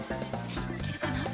よしいけるかな？